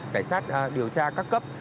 cảnh sát điều tra các cấp